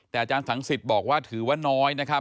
แต่อาจารย์สังสิทธิ์บอกว่าถือว่าน้อยนะครับ